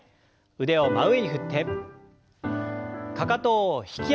腕を真上に振ってかかとを引き上げて下ろして。